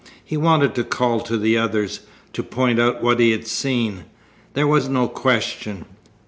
He wanted to call to the others, to point out what he had seen. There was no question.